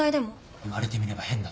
言われてみれば変だな。